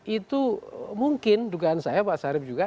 itu mungkin dugaan saya pak sarif juga